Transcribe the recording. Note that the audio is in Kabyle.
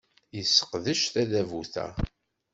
Yesseqdec tadabut-a.